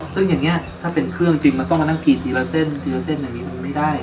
ซึ่งอย่างนี้ถ้าเป็นเครื่องจริงมันต้องมานั่งกินทีละเส้นทีละเส้นอย่างนี้มันไม่ได้